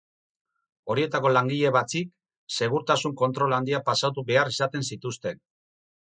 Horietako langile batzik segurtasun kontrol handiak pasatu behar izaten zituzten.